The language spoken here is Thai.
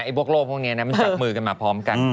พวกโลกพวกนี้มันจับมือกันมาพร้อมกัน